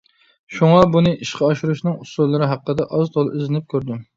شۇڭا بۇنى ئىشقا ئاشۇرۇشنىڭ ئۇسۇللىرى ھەققىدە ئاز-تولا ئىزدىنىپ كۆردۈم.